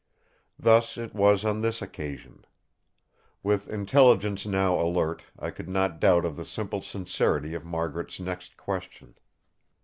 Thus it was on this occasion. With intelligence now alert, I could not doubt of the simple sincerity of Margaret's next question.